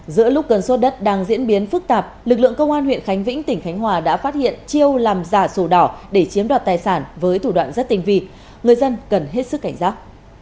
giữa lúc cơn sốt đất đang diễn biến phức tạp lực lượng công an huyện khánh vĩnh tỉnh khánh hòa đã phát hiện chiêu làm giả sổ đỏ để chiếm đoạt tài sản với thủ đoạn rất tinh vi người dân cần hết sức cảnh giác